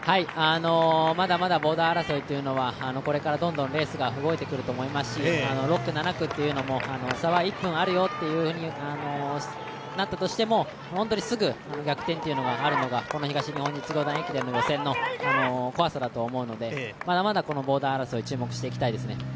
まだまだボーダー争いというのはこれからどんどんレースは動いていくと思いますし、６区、７区も差は１分あるよとなったとしても、本当にすぐ逆転があるのがこの東日本実業団駅伝の予選の怖さだと思うので、まだまだボーダー争い注目していきたいです。